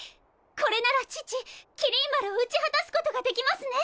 これなら父麒麟丸を討ち果たすことができますね。